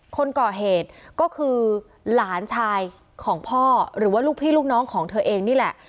คนก่อเหตุก็คือหลานชายของพ่อหรือว่าลูกพี่ลูกน้องของเธอเองนี่แหละ